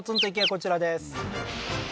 こちらです